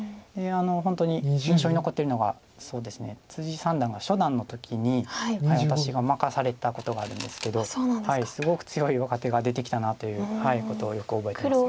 本当に印象に残ってるのが三段が初段の時に私が負かされたことがあるんですけどすごく強い若手が出てきたなということをよく覚えてます。